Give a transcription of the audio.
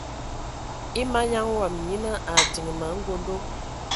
E manyaŋ wɔm nyina a diŋ ma angondo.